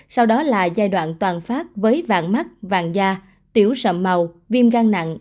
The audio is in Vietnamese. sau đó là giai đoạn toàn phát với vàng mắt vàng da tiểu sầm màu viêm gan nặng